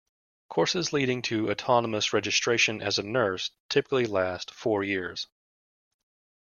Courses leading to autonomous registration as a nurse typically last four years.